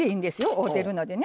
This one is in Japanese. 合うてるのでね。